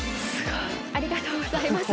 ありがとうございます。